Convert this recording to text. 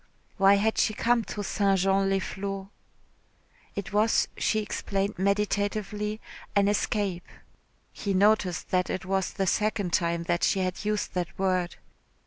Why had she come to St. Jean les Flots? It was, she explained meditatively, an escape (he noticed that it was the second time that she had used that word).